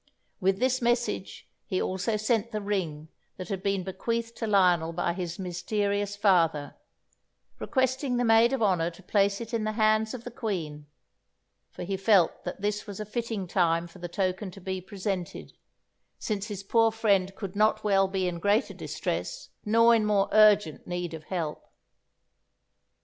With this message he also sent the ring that had been bequeathed to Lionel by his mysterious father, requesting the Maid of Honour to place it in the hands of the Queen; for he felt that this was a fitting time for the token to be presented, since his poor friend could not well be in greater distress, nor in more urgent need of help.